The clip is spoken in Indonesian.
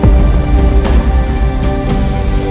terima kasih dewa ya